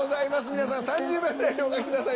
皆さん３０秒でお書きください